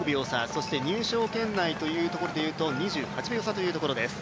そして入賞圏内というところでいうと２８秒差というところです。